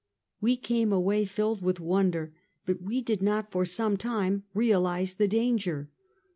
" "We came away filled with wonder, but we did not for some time realize the danger.